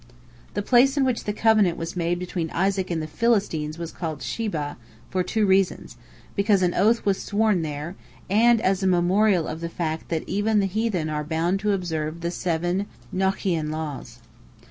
The place in which the covenant was made between Isaac and the Philistines was called Shib'ah, for two reasons, because an oath was "sworn" there, and as a memorial of the fact that even the heathen are bound to observe the "seven" Noachian laws.